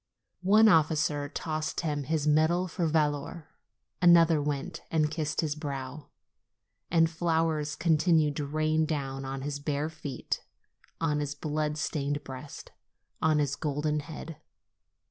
One officer tossed him his medal for valor; another went and kissed his brow. And flowers continued to rain down on his bare feet, on his blood stained breast, on his golden head.